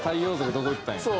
どこ行ったんや？